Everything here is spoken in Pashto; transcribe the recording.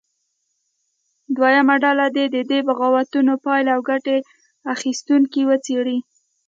دویمه ډله دې د دې بغاوتونو پایلې او ګټه اخیستونکي وڅېړي.